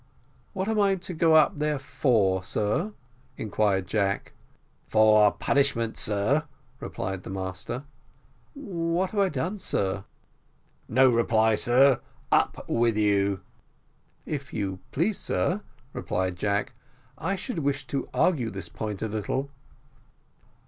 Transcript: "What am I to go up there for, sir?" inquired Jack. "For punishment, sir," replied the master. "What have I done, sir?" "No reply, sir up with you." "If you please, sir," replied Jack, "I should wish to argue this point a little."